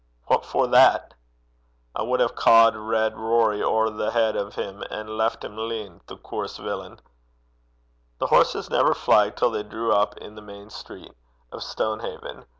'What for that?' 'I wad hae cawed Reid Rorie ower the heid o' 'm, an' left him lyin' the coorse villain!' The horses never flagged till they drew up in the main street of Stonehaven.